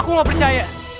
aku gak percaya